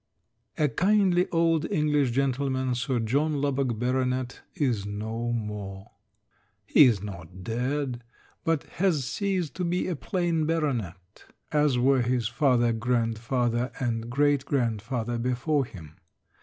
A kindly old English gentleman, Sir John Lubbock, Bart., is no more. He is not dead, but has ceased to be a plain baronet, as were his father, grandfather, and great grandfather before him.